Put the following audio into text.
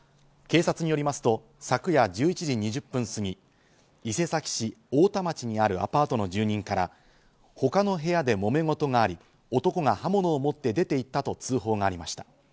警察によりますと昨夜１１時２０分過ぎ、伊勢崎市太田町にあるアパートの住民から他の部屋で揉め事があり、男が刃物を持って出て行ったと通報がありました。